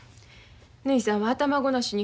ぬひさんは頭ごなしに